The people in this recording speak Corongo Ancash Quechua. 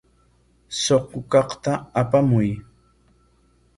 Suqu kaqta apamuy.